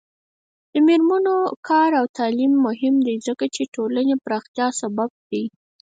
د میرمنو کار او تعلیم مهم دی ځکه چې ټولنې پراختیا سبب دی.